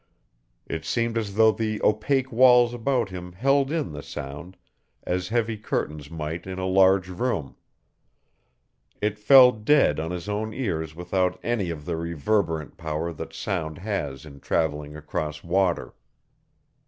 It seemed as though the opaque walls about him held in the sound as heavy curtains might in a large room; it fell dead on his own ears without any of the reverberant power that sound has in traveling across water.